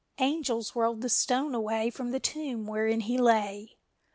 Angels rolled the stone away From the tomb wherein He lay!